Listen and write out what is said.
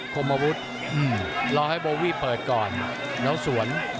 คมอาวุธรอให้โบวี่เปิดก่อนแล้วสวน